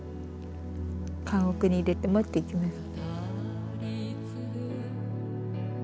棺おけに入れて持っていきます。